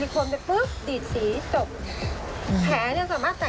บางครั้งแต่งแล้วไปลงสีจนช้ำไปหมดจนดูเป็นการแต่งมันไม่ใช่